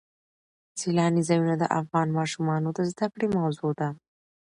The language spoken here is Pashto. سیلاني ځایونه د افغان ماشومانو د زده کړې موضوع ده.